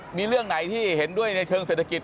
มีเรื่องไหนที่เห็นด้วยในเชิงเศรษฐกิจ